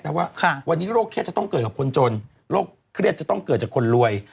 ว่าวันนี้โรคเครียดจะต้องเกิดกับคนจนโรคเครียดจะต้องเกิดจากคนรวย